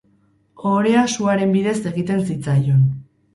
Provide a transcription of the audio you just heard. Ohorea suaren bidez egiten zitzaion.